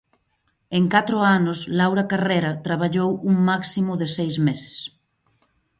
En catro anos, Laura Carrera traballou "un máximo de seis meses".